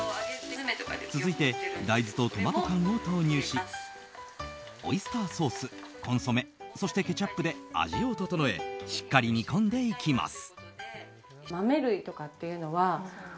続いて大豆とトマト缶を投入しオイスターソース、コンソメそしてケチャップで味を調えしっかり煮込んでいきます。